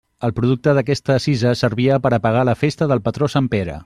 El producte d'aquesta cisa servia per a pagar la festa del patró sant Pere.